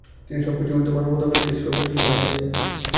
তিনি সবকিছুর ঊর্ধ্বে মানবতাবাদকে সর্বোচ্চ স্থান দিয়েছেন।